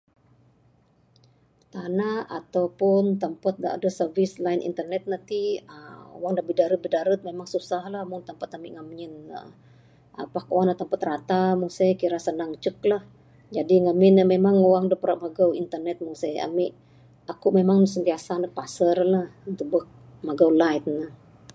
Tana atopun tempat da adeh servis line internet nuh ti aaa wang nuh bidarud-bidarud memang susah lah mung tempat ami ngamin nuh. Aaa pak wang nuh tempat rata mung se kira senang icuk lah. Jadi ngamin nuh memang wang adup rak magau internet mung se, ami aku memang sentiasa nug pasar lah ntubuk magau line.